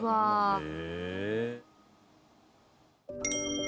へえ。